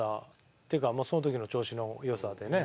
っていうかその時の調子の良さでね。